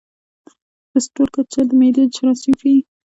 د سټول کلچر د معدې جراثیم ښيي.